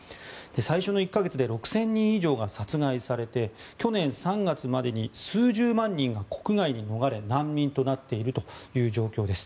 最初の１か月で６０００人以上が殺害されて去年３月までに数十万人が国外に逃れ難民となっているという状況です。